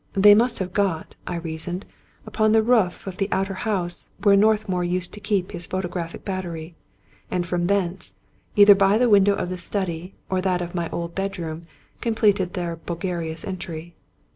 They must have got, I reasoned, upon the roof of the outhouse where Northmour used to keep his photo graphic battery ; and from thence, either by the window of the study or that of my old bedroom, completed their bur glarious entry.